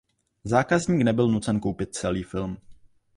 Zákazník nebyl nucen koupit celý film.